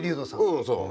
うんそう。